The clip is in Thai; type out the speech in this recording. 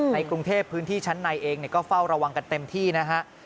ในกรุงเทพพื้นที่ชั้นในเองก็เฝ้าระวังกันเต็มที่นะฮะ